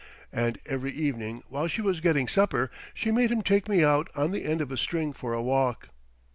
And every evening while she was getting supper she made him take me out on the end of a string for a walk.